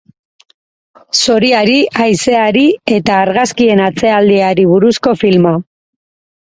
Zoriari, haizeari eta argazkien atzealdeari buruzko filma.